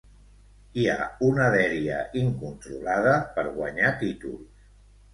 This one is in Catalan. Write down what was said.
Hi ha una dèria incontrolada per guanyar títols.